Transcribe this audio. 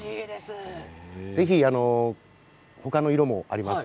ぜひ他の色もあります。